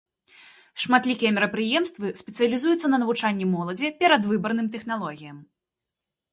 Шматлікія мерапрыемствы спецыялізуюцца на навучанні моладзі перадвыбарным тэхналогіям.